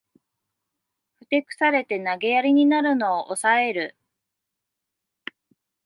ふてくされて投げやりになるのをおさえる